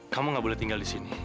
kamu gak boleh tinggal di sini